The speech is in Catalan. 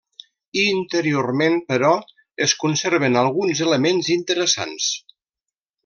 Interiorment, però, es conserven alguns elements interessants.